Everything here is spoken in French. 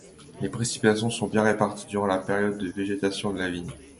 Les précipitations sont bien réparties durant la période de végétation de la vigne.